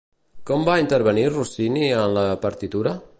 Com va intervenir Rossini en la partitura?